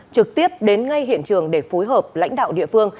trực tiếp đến ngay hiện trường để phối hợp lãnh đạo địa phương